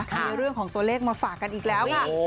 มีเรื่องของตัวเลขมาฝากกันอีกแล้วค่ะ